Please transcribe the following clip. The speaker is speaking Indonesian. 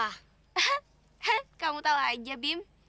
hah kamu tau aja bim